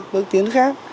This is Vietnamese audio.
bước tiến khác